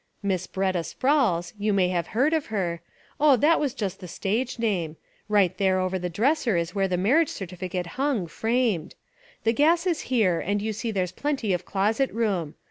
Miss B'retta Sprowls, you may have heard of her, — Oh, that was just the stage name — right there over the dresser is where the marriage certifi cate hung, framed. The gas is here and you see there's plenty of closet room.